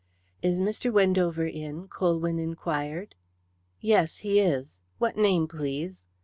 "Is Mr. Wendover in?" Colwyn inquired. "Yes, he is. What name, please?"